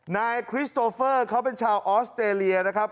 นายคริสโตเฟอร์เขาเป็นชาวออสเตรเลียนะครับ